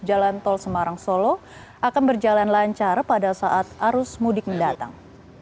jalan tol semarang solo akan berjalan lancar pada saat arus mudik mendatang